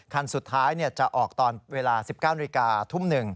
คันสุดท้ายจะออกตอนเวลา๑๙นาฬิกาทุ่ม๑